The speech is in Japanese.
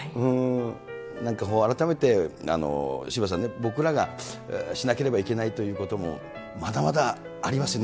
なんか改めて渋谷さんね、僕らがしなければいけないということも、まだまだありますよね。